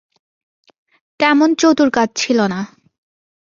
তেমন চতুর কাজ ছিল না।